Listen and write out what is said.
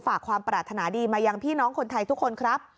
ฝากความปรารถนาดีมายังพี่น้องคนไทยทุกคนครับ